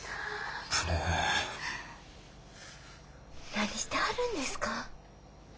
何してはるんですか？